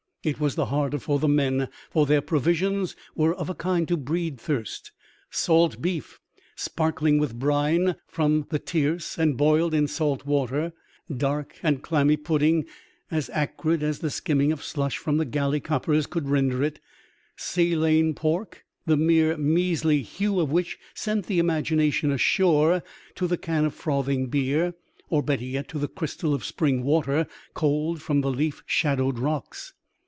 It was the harder for the men, for their provisions 50 THIRST! AN OCEAN INCIDENT. were of a kind to breed thirst — salt beef sparkling with brine from the tierce and boiled in salt water ; dark and clammy pudding as acrid as the skimming of slush from the galley coppers could render it ; saline pork, the mere measly hue of which sent the imagination ashore to the can of frothing beer, or better yet, to the crystal of spring water cold from the leaf shadowed rocks.